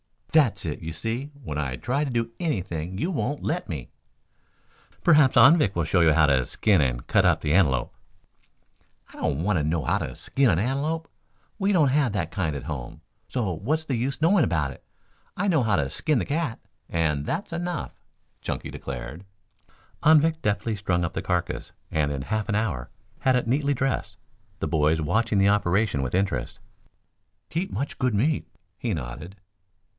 "That's it, you see. When I try to do anything you won't let me." "Perhaps Anvik will show you how to skin and cut up the antelope." "I don't want to know how to skin an antelope. We don't have that kind at home, so what's the use knowing about it? I know how to 'skin the cat,' and that's enough," Chunky declared. Anvik deftly strung up the carcass and in half an hour had it neatly dressed, the boys watching the operation with interest. "Heap much good meat," he nodded.